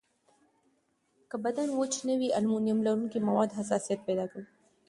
که بدن وچ نه وي، المونیم لرونکي مواد حساسیت پیدا کوي.